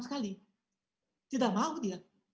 sekali tidak mau dia